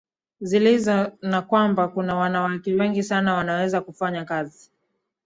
zilizo na kwamba kuna wanawake wengi sana wanaweza kufanya kazi